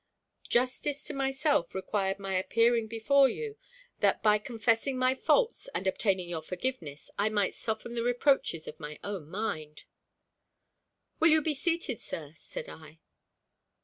"Justice to myself required my appearing before you, that, by confessing my faults and obtaining your forgiveness, I might soften the reproaches of my own mind." "Will you be seated, sir?" said I.